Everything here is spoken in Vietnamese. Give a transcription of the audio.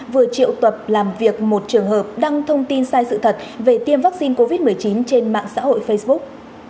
vừa triệu tập làm việc một trường hợp đăng thông tin sai sự thật về tiêm vaccine covid một mươi chín trên mạng xã hội facebook